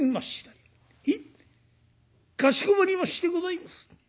「へいかしこまりましてございます」。